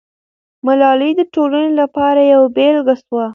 ملالۍ د ټولنې لپاره یوه بېلګه سوه.